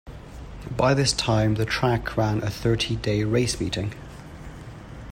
By this time the track ran a thirty-day race meeting.